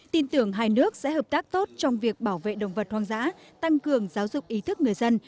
tin tưởng hai nước sẽ hợp tác tốt trong việc bảo vệ động vật hoang dã tăng cường giáo dục ý thức người dân